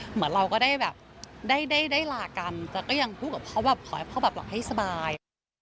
เหมือนเราก็ได้แบบได้ลากันแต่ก็ยังพูดกับพ่อแบบขอให้พ่อแบบหลับให้สบาย